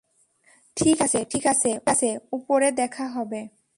ঠিক আছে ঠিক আছে, উপরে দেখা হবে।